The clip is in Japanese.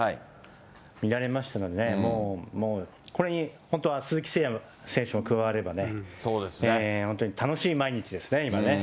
見られましたのでね、もうこれに本当は鈴木誠也選手も加われば、本当に楽しい毎日です